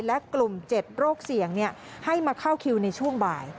และกลุ่ม๗โรคเสี่ยงให้มาเข้าคิวในช่วงบ่าย